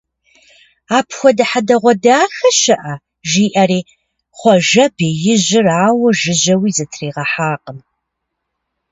Апхуэдэ хьэдэгъуэдахэ щыӀэ! - жиӀэри, Хъуэжэ беижьыр ауэ жыжьэуи зытригъэхьакъым.